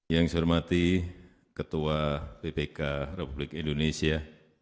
yang saya hormati ketua bpk republik indonesia